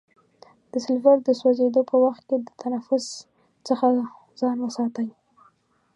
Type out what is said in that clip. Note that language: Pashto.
د سلفر د سوځیدو په وخت کې د تنفس څخه ځان وساتئ.